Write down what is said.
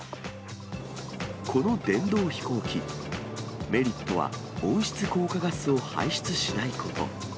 この電動飛行機、メリットは温室効果ガスを排出しないこと。